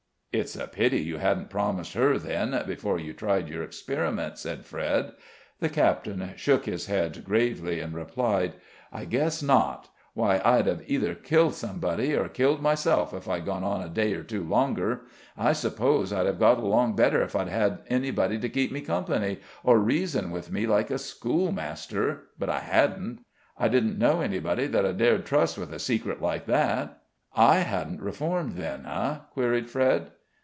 "It's a pity you hadn't promised her then, before you tried your experiment," said Fred. The captain shook his head gravely, and replied: "I guess not; why, I'd have either killed somebody or killed myself if I'd gone on a day or two longer. I s'pose I'd have got along better if I'd had anybody to keep me company, or reason with me like a schoolmaster; but I hadn't. I didn't know anybody that I dared trust with a secret like that." "I hadn't reformed then, eh?" queried Fred.